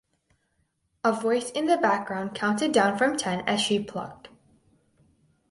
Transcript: A voice in the background counted down from ten as she plucked.